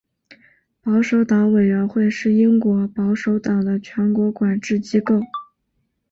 保守党委员会是英国保守党的全国管制机构。